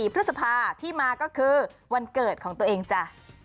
พฤษภาที่มาก็คือวันเกิดของตัวเองจ้ะ